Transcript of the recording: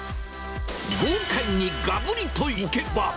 豪快にがぶりといけば。